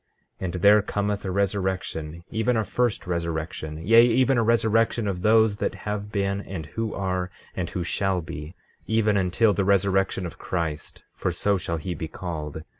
15:21 And there cometh a resurrection, even a first resurrection; yea, even a resurrection of those that have been, and who are, and who shall be, even until the resurrection of Christ—for so shall he be called.